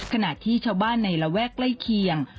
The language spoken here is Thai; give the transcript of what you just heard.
ขณะที่ชาวบ้านในระแวกใกล้เคียง